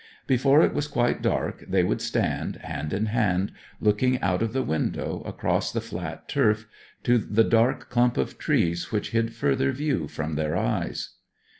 Before it was quite dark they would stand, hand in hand, looking out of the window across the flat turf to the dark clump of trees which hid further view from their eyes.